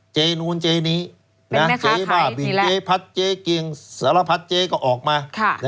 เจ๊นู้นเจนี้เจ๊บ้าบินเจ๊พัดเจ๊เกียงสารพัดเจ๊ก็ออกมา